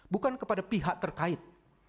bukan kepada pihak terkait